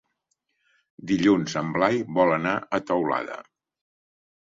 Dilluns en Blai vol anar a Teulada.